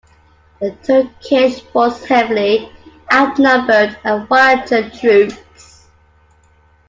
The Turkish force heavily outnumbered the Wallachian troops.